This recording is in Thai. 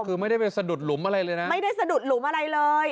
คือไม่ได้ไปสะดุดหลุมอะไรเลยนะไม่ได้สะดุดหลุมอะไรเลย